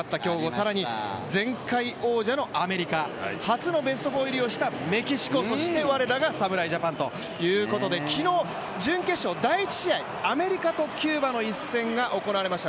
更に前回王者のアメリカ初のベスト４入りを決めたメキシコそして我らが侍ジャパンということで、昨日、準決勝、第１試合、アメリカとキューバの１戦が行われました。